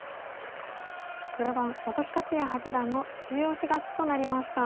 黒番本木克弥八段の中押し勝ちとなりました。